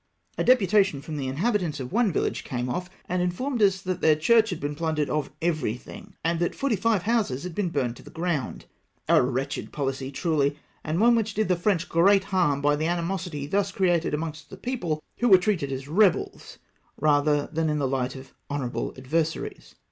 A de putation from the inhabitants of one village came off, and informed us that theu^ church had been plundered of everything, and that forty five houses had been burned to the ground. A wretched pohcy truly, and one which did the French great harm by the animosity thus created amongst the people, who were treated as rebels, rather than in the hght of honourable adver saries.